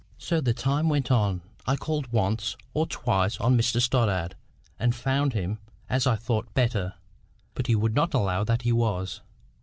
So the time went on. I called once or twice on Mr Stoddart, and found him, as I thought, better. But he would not allow that he was.